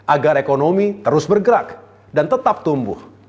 agar ekonomi terus bergerak dan tetap tumbuh